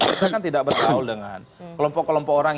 kita kan tidak bertaul dengan kelompok kelompok orang